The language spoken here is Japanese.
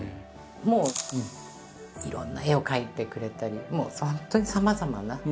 もういろんな絵を描いてくれたりもう本当にさまざまな。